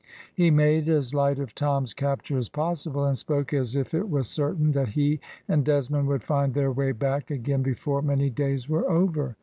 He made as light of Tom's capture as possible, and spoke as if it was certain that he and Desmond would find their way back again before many days were over.